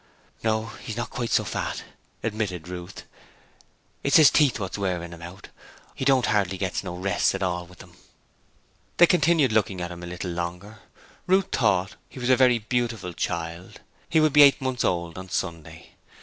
'No, he's not quite so fat,' admitted Ruth. 'It's his teeth what's wearing him out; he don't hardly get no rest at all with them.' They continued looking at him a little longer. Ruth thought he was a very beautiful child: he would be eight months old on Sunday.